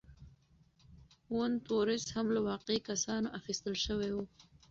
وُنت وُرث هم له واقعي کسانو اخیستل شوی و.